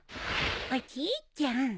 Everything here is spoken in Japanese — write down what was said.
おじいちゃん。